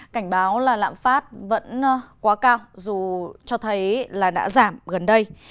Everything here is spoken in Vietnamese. cảnh báo là lạm phát vẫn quá cao dù cho thấy là đã giảm gần đây